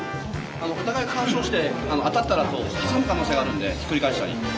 お互い干渉して当たったら挟む可能性があるんでひっくり返したり。